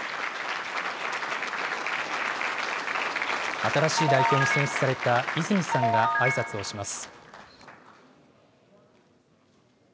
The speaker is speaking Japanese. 新しい代表に選出された泉さんがあいさつをします。